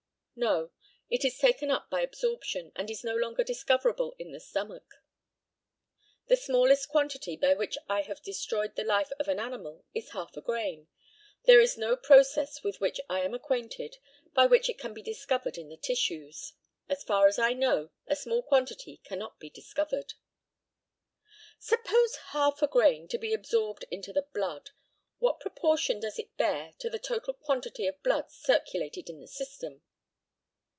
No. It is taken up by absorption, and is no longer discoverable in the stomach. The smallest quantity by which I have destroyed the life of an animal is half a grain. There is no process with which I am acquainted by which it can be discovered in the tissues. As far as I know, a small quantity cannot be discovered. Suppose half a grain to be absorbed into the blood, what proportion does it bear to the total quantity of blood circulated in the system?